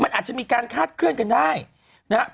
มันอาจจะมีการคาดเคลื่อนกันได้นะครับ